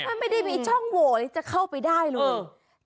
มันไม่ได้มีช่องโหวเลยจะเข้าไปได้เลย